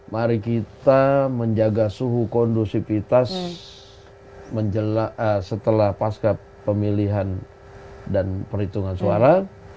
mari kita menjaga suhu kondusivitas setelah pasca pemilihan dan perhitungan suara